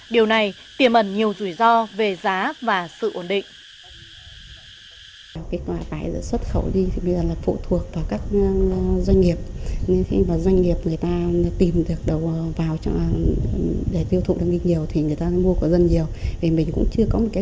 điều này tiềm ẩn nhiều rủi ro về giá và sự ổn định